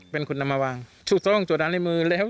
เป็นคนนำมาวางถูกต้องจดอ่านในมือแล้ว